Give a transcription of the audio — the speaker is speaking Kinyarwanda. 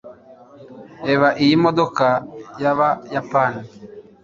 reba iyi modoka yabayapani